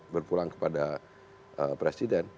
berpulang kepada presiden